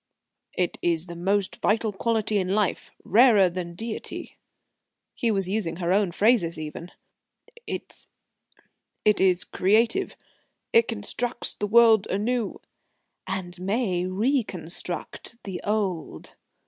"It is the most vital quality in life rarer than deity." He was using her own phrases even. "It is creative. It constructs the world anew " "And may reconstruct the old."